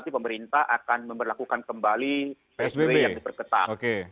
nanti pemerintah akan melakukan kembali psbb yang diperketat